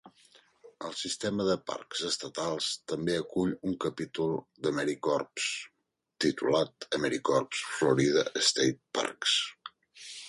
El sistema de parcs estatals també acull un capítol d'AmeriCorps, titulat AmeriCorps Florida State Parks.